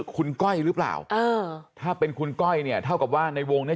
คุณก้อยหรือเปล่าเออถ้าเป็นคุณก้อยเนี่ยเท่ากับว่าในวงเนี่ย